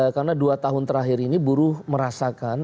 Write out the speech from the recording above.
karena dua tahun terakhir ini buruh merasakan